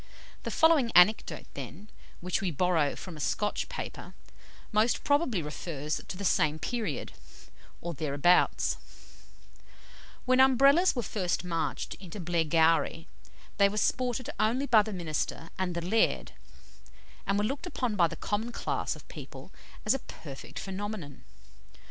The following anecdote, then, which we borrow from a Scotch paper, most probably refers to the same period, or thereabouts : "When Umbrellas were first marched into Blairgowrie, they were sported only by the minister and the laird, and were looked upon by the common class of people as a perfect phenomenon.